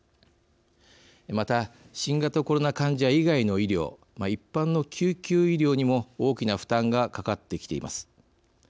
また、新型コロナ患者以外の医療一般の救急医療にも大きな負担がかかってきています。